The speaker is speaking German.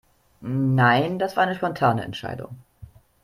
Nein, das war eine spontane Entscheidung.